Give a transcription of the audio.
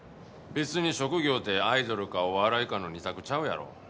別に職業ってアイドルかお笑いかの２択ちゃうやろ。